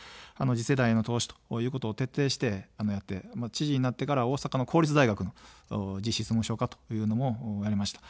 次世代への投資ということを徹底してやって、知事になってから大阪の公立大学も実質無償化というのもやりました。